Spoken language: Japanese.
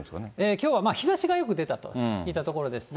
きょうは日ざしがよく出たといったところですね。